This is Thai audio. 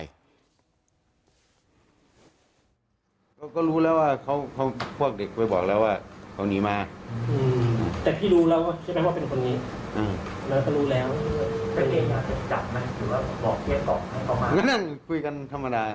พวกเขาก็คุยกันธรรมดา